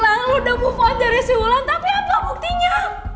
lo bilang lo udah move on dari si hulan tapi apa buktinya